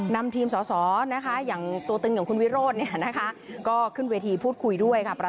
นำทีมสอสออย่างตัวตึงอย่างคุณวิโรธขึ้นเวทีพูดคุยด้วย